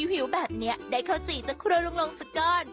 หิวแบบนี้ได้เข้าสี่จะคุลลงสักก้อน